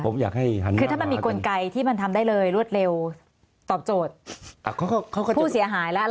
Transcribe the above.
คือถ้ามันมีกลไกที่มันทำได้เลยรวดเร็วตอบโจทย์